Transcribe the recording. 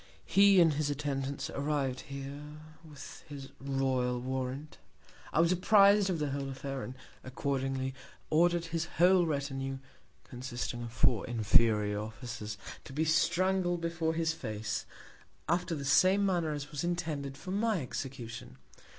He and his Attendants arriv'd here with his Royal Warrant. I was appriz'd of the whole Affair, and, accordingly, order'd his whole Retinue, consisting of four inferior Officers, to be strangled before his Face, after the same Manner as was intended for my Execution.